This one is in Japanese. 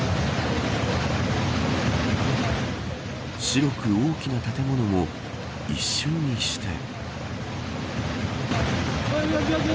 白く大きな建物も一瞬にして。